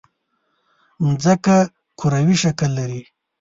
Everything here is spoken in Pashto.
مځکه کروي شکل لري.